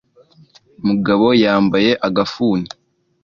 Umugabo yambaye agafuni